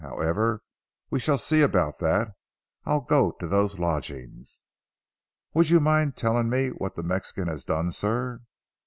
"However we shall see about that. I'll go to those lodgings." "Would you mind telling me what the Mexican has done sir?"